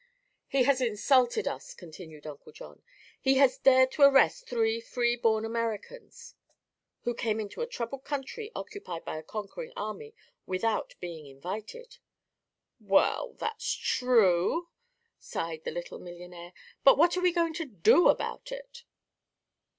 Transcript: "He has insulted us," continued Uncle John. "He has dared to arrest three free born Americans." "Who came into a troubled country, occupied by a conquering army, without being invited." "Well that's true," sighed the little millionaire, "but what are we going to do about it?"